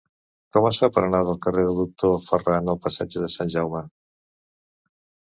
Com es fa per anar del carrer del Doctor Ferran al passatge de Sant Jaume?